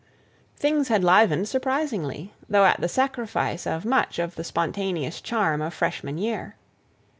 Things had livened surprisingly, though at the sacrifice of much of the spontaneous charm of freshman year.